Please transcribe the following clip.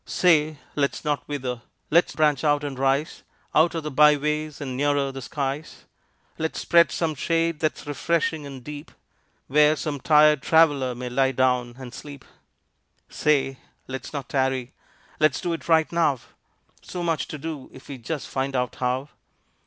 Say! Let's not wither! Let's branch out and rise Out of the byways and nearer the skies. Let's spread some shade that's refreshing and deep Where some tired traveler may lie down and sleep. Say! Let's not tarry! Let's do it right now; So much to do if we just find out how!